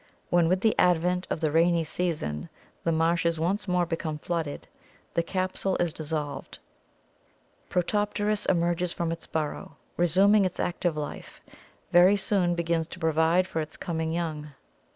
When, with the advent of the rainy season, the marshes once more become flooded, the capsule is dissolved, Protopterus emerges from its burrow, and resuming its active life, very soon begins to provide for its coming young.